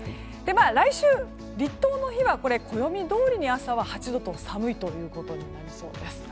来週、立冬の日は暦どおりに朝は８度と寒いということになりそうです。